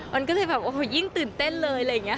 มันก็เลยแบบโอ้โหยิ่งตื่นเต้นเลยอะไรอย่างนี้ค่ะ